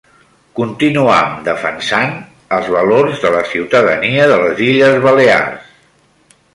Continuam defensant els valors de la ciutadania de les Illes Balears.